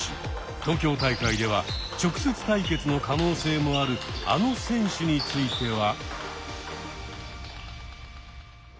東京大会では直接対決の可能性もあるあの選手については？